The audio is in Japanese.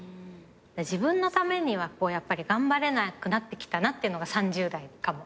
自分のためにはやっぱり頑張れなくなってきたなっていうのが３０代かも。